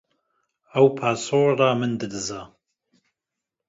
Ew passworda min didize